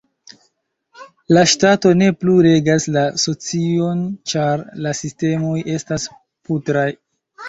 La ŝtato ne plu regas la socion ĉar la sistemoj estas putraj.